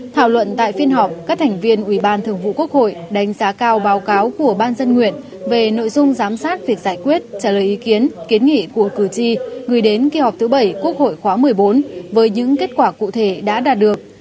thảo luận tại phiên họp các thành viên ủy ban thường vụ quốc hội đánh giá cao báo cáo của ban dân nguyện về nội dung giám sát việc giải quyết trả lời ý kiến kiến nghị của cử tri gửi đến kỳ họp thứ bảy quốc hội khóa một mươi bốn với những kết quả cụ thể đã đạt được